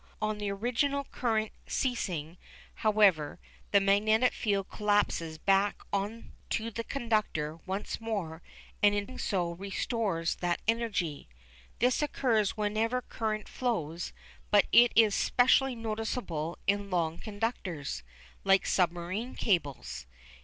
On the original current ceasing, however, the magnetic field collapses back on to the conductor once more and in so doing restores that energy. This occurs whenever current flows, but it is specially noticeable in long conductors, like submarine cables.